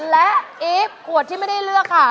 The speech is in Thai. และอีฟขวดที่ไม่ได้เลือกค่ะ